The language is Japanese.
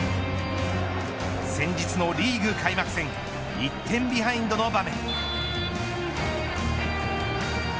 先日のリーグ開幕戦１点ビハインドの場面。